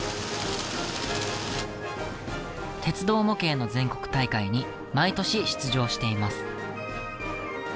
鉄道模型の全国大会に毎年出場しています。